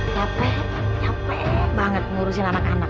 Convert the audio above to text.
capek capek banget ngurusin anak anak